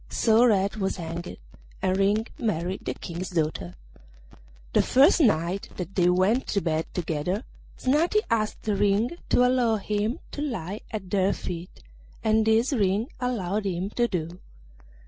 So Red was hanged, and Ring married the King's daughter. The first night that they went to bed together Snati asked Ring to allow him to lie at their feet, and this Ring allowed him to do.